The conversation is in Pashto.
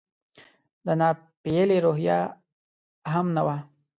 د ناپیېلې روحیه هم نه وه.